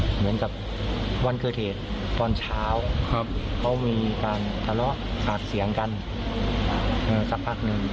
เหมือนกับวันเกิดเหตุตอนเช้าเขามีการทะเลาะปากเสียงกันสักพักหนึ่ง